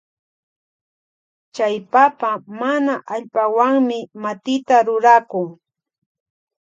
Chay papa mana allpawanmi matita rurakun.